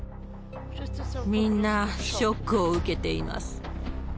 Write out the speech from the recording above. みんなショックを受けています。